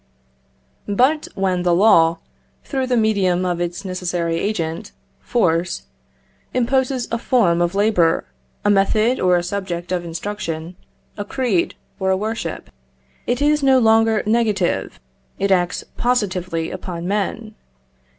But when the law, through the medium of its necessary agent force, imposes a form of labour, a method or a subject of instruction, a creed, or a worship, it is no longer negative; it acts positively upon men.